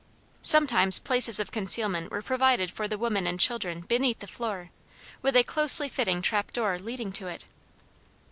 Sometimes places of concealment were provided for the women and children beneath the floor, with a closely fitting trap door leading to it.